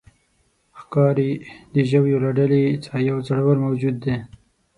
ښکاري د ژویو له ډلې څخه یو زړور موجود دی.